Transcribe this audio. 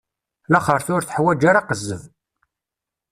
Laxert ur teḥwaǧ ara aqezzeb.